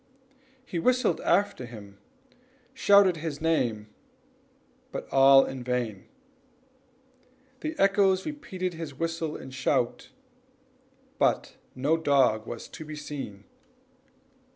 He whistled after him, and shouted his name, but all in vain; the echoes repeated his whistle and shout, but no dog was to be seen.